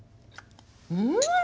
うん！？